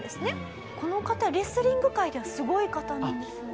この方レスリング界ではすごい方なんですよね？